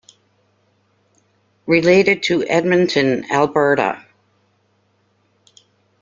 Related to Edmonton, Alberta.